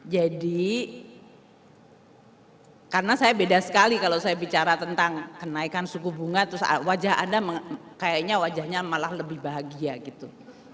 jadi karena saya beda sekali kalau saya bicara tentang kenaikan suku bunga terus wajah anda kayaknya wajahnya malah lebih bahagia gitu